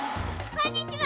こんにちは！